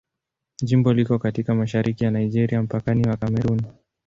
Jimbo liko katika mashariki ya Nigeria, mpakani wa Kamerun.